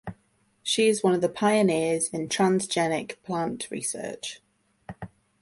She is one of the pioneers in transgenic plant research.